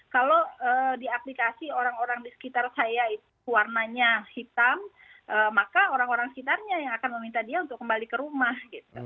kalau di aplikasi orang orang di sekitar saya itu warnanya hitam maka orang orang sekitarnya yang akan meminta dia untuk kembali ke rumah